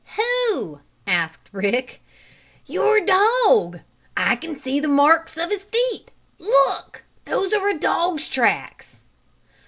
"Who?" asked Rick. "Your dog! I can see the marks of his feet! Look, those are a dog's tracks!"